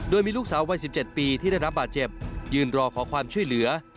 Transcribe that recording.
โดยมีลูกสาววัย๑๗ปีที่ได้รับบาดเจ็บยืนรอขอความช่วยเหลือ